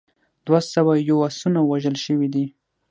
دوه سوه یو اسونه وژل شوي دي.